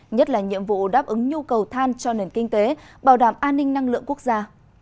nhất là nhiệm vụ đáp ứng nhu cầu than cho nền kinh tế bảo đảm an ninh năng lượng quốc gia